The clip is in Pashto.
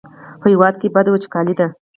په هېواد کې بده وچکالي ده.